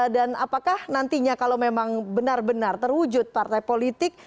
dan apakah nantinya kalau memang benar benar terwujud partai politik